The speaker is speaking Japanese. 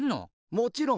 もちろん。